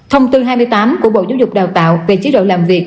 thông tư hai mươi tám của bộ giáo dục đào tạo về chế độ làm việc